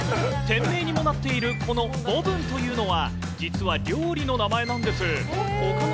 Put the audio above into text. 店名にもなっている、このボブンというのは、実は料理の名前なんです。